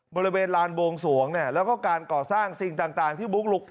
บริเวณลานบวงสวงเนี่ยแล้วก็การก่อสร้างสิ่งต่างที่บุกลุก